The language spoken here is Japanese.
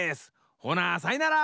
ほなさいなら！